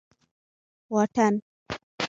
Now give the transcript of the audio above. واټن